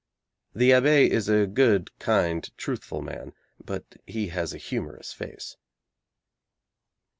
The abbé is a good, kind, truthful man but he has a humorous face.